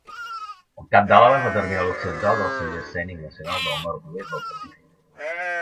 El cap d'Alava és la terminal occidental del sender escènic nacional del nord-oest del Pacífic.